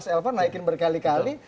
koran naikin berkali kali